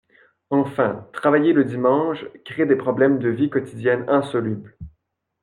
Enfin, travailler le dimanche crée des problèmes de vie quotidienne insolubles.